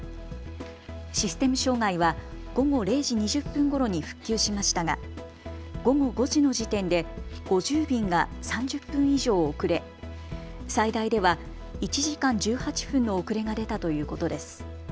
システム障害は午後０時２０分ごろに復旧しましたが午後５時の時点で５０便が３０分以上遅れ最大では１時間１８分の遅れが出たということです。